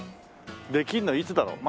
できるのはいつだろう？